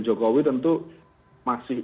jokowi tentu masih